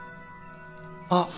あっ。